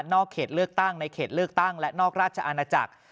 เขตเลือกตั้งในเขตเลือกตั้งและนอกราชอาณาจักร